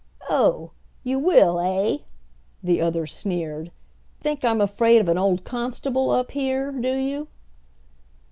"Oh! you will, eh?" the other sneered. "Think I'm afraid of an old constable up here, do you?"